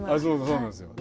そうなんですよ。